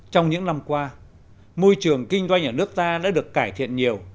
trong những năm qua môi trường kinh doanh ở nước ta đã được cải thiện nhiều